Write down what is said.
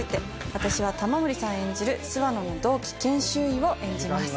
私は玉森さん演じる諏訪野の同期、研修医を演じます。